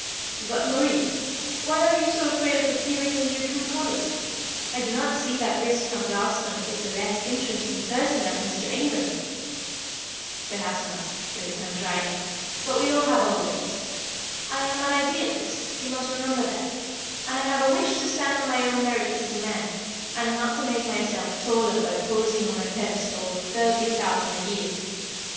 "But, Moritz, why are you so afraid of appearing in your true colours? I do not see that Viscount Ralston is a less interesting person than Mr. Ingram." "Perhaps not," he returned, drily; "but we all have our whims. I am an Idealist, you must remember that, and I have a wish to stand on my own merits as a man, and not to make myself taller by posing on my pedestal of thirty thousand a year.